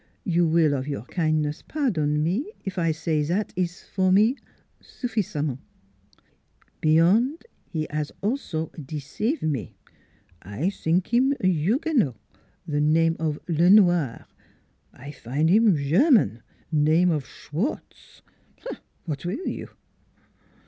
" You will of your kin'ness pardon me eef I say zat ees for me suffisamment. Beyond, he 'as also deceive me: I zink 'im Huguenot, name of Le Noir. I fin' 'im German, name of Schwartz What will you?